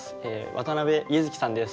渡結月さんです。